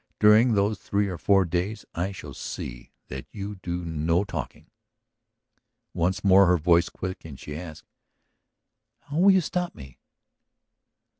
During those three or four days I shall see that you do no talking!" Once more, her voice quickened, she asked: "How will you stop me?"